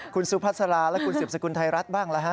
คุณสุพัสราและคุณสืบสกุลไทยรัฐบ้างแล้วฮะ